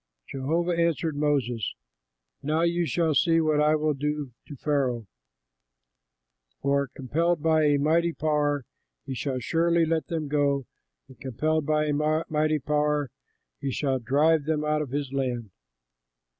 Jehovah answered Moses, "Now you shall see what I will do to Pharaoh; for compelled by a mighty power he shall surely let them go, and compelled by a mighty power he shall drive them out of his land."